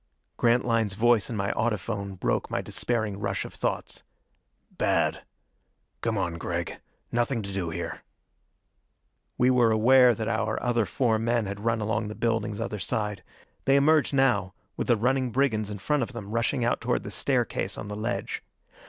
Grantline's voice in my audiphone broke my despairing rush of thoughts. "Bad. Come on, Gregg; nothing to do here." We were aware that our other four men had run along the building's other side. They emerged now with the running brigands in front of them, rushing out toward the staircase on the ledge.